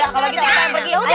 ya udah bu wokta